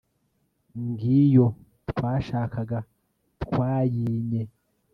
ngiyo twashakaga twayinye